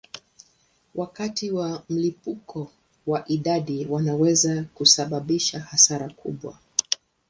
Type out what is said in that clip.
Wakati wa mlipuko wa idadi wanaweza kusababisha hasara kubwa.